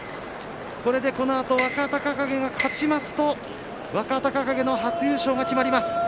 これでこのあと若隆景が勝ちますと若隆景、初優勝が決まります。